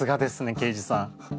刑事さん。